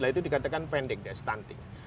itu dikatakan pendek dan stunting